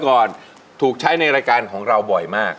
ก่อนถูกใช้ในรายการของเราบ่อยมาก